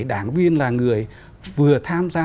đảng viên là người vừa tham gia